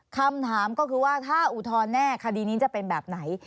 คำถามก็คือว่าถ้าอุทธรณ์แน่คดีนี้จะเป็นแบบไหน